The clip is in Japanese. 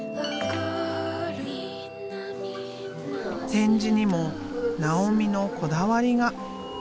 展示にも尚美のこだわりが。